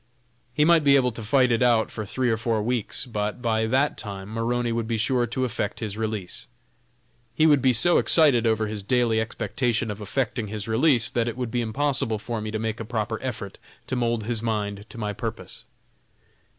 He might be able to fight it out for three or four weeks, but by that time Maroney would be sure to effect his release. He would be so excited over his daily expectation of effecting his release that it would be impossible for me to make a proper effort to mould his mind to my purpose.